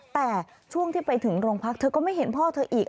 แต่ช่วงที่ไปถึงโรงพักเธอก็ไม่เห็นพ่อเธออีก